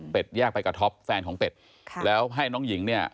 แยกไปกับท็อปแฟนของเป็ดค่ะแล้วให้น้องหญิงเนี่ย